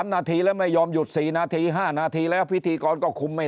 ๓นาทีแล้วไม่ยอมหยุด๔นาที๕นาทีแล้วพิธีกรก็คุมไม่